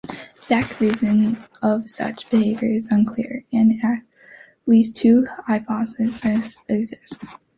The exact reason of such behavior is unclear, and at least two hypotheses exist.